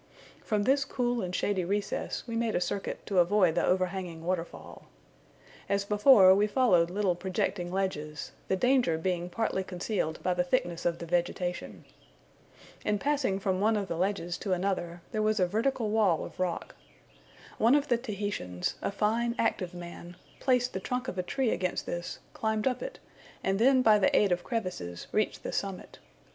From this cool and shady recess we made a circuit to avoid the overhanging waterfall. As before, we followed little projecting ledges, the danger being partly concealed by the thickness of the vegetation. In passing from one of the ledges to another, there was a vertical wall of rock. One of the Tahitians, a fine active man, placed the trunk of a tree against this, climbed up it, and then by the aid of crevices reached the summit.